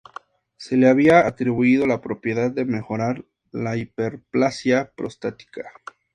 Se le había atribuido la propiedad de mejorar la hiperplasia prostática.